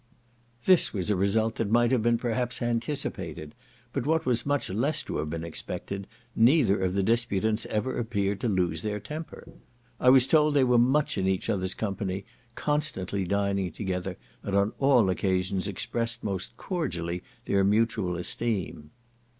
This was a result that might have been perhaps anticipated; but what was much less to have been expected, neither of the disputants ever appeared to lose their temper. I was told they were much in each other's company, constantly dining together, and on all occasions expressed most cordially their mutual esteem.